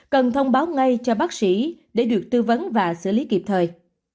cần thông báo ngay cho bác sĩ để được tư vấn và xử lý kịp thời